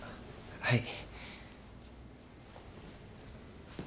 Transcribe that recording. はい。